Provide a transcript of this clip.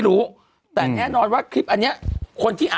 ยูคิดอะไรของยูอยู่อ่ะ